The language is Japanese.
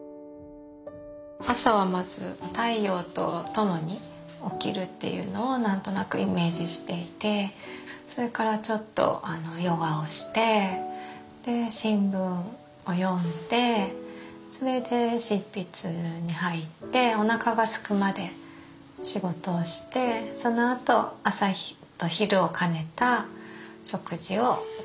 朝はまず太陽とともに起きるというのをなんとなくイメージしていてそれからちょっとヨガをしてで新聞を読んでそれで執筆に入っておなかがすくまで仕事をしてそのあと朝と昼を兼ねた食事をとるって感じです。